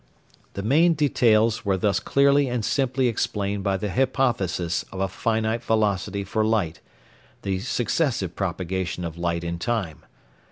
The main details were thus clearly and simply explained by the hypothesis of a finite velocity for light, "the successive propagation of light in time."